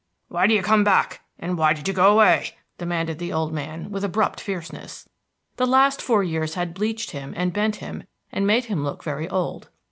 Why do you come back, and why did you go away?" demanded the old man, with abrupt fierceness. The last four years had bleached him and bent him and made him look very old.